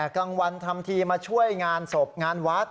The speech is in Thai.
กลางวันทำทีมาช่วยงานศพงานวัด